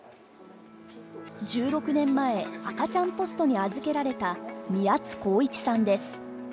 １６年前、赤ちゃんポストに預けられた宮津航一さんです。